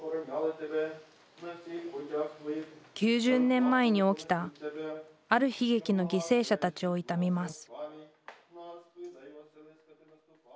９０年前に起きた「ある悲劇」の犠牲者たちを悼みます